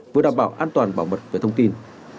vừa đảm bảo an toàn bảo mật về thông tin